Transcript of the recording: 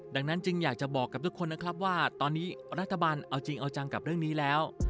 ดังนั้นจึงอยากจะบอกกับทุกคนนะครับว่าตอนนี้รัฐบาลเอาจริงเอาจังกับเรื่องนี้แล้ว